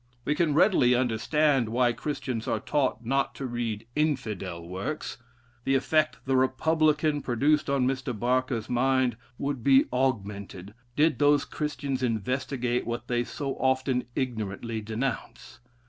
We can readily understand why Christians are taught not to read "Infidel" works. The effect the "Republican" produced on Mr. Barker's mind would be augmented, did those Christians investigate what they so often ignorantly denounce.